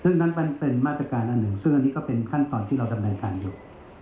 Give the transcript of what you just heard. ซึ่งนั้นเป็นมาตรการอันหนึ่งซึ่งอันนี้ก็เป็นขั้นตอนที่เราดำเนินการอยู่